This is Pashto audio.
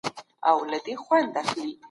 اسلام د هر انسان لپاره د عزت دین دی.